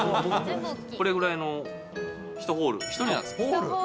これぐらいの１ホール、１人用で？